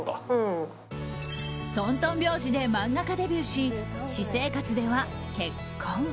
とんとん拍子で漫画家デビューし私生活では結婚。